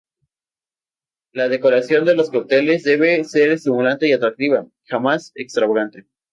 La decoración de los cócteles debe ser estimulante y atractiva, jamás extravagante.